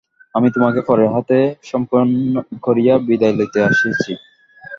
আমি তোমাকে পরের হাতে সমর্পণ করিয়া বিদায় লইতে আসিয়াছি।